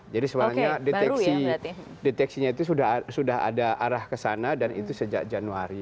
jadi sebenarnya deteksinya itu sudah ada arah ke sana dan itu sejak januari